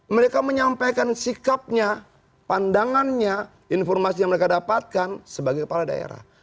mereka menyampaikan sikapnya pandangannya informasi yang mereka dapatkan sebagai kepala daerah